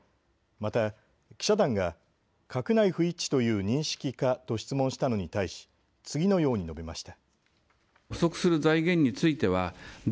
また記者団が閣内不一致という認識かと質問したのに対し次のように述べました。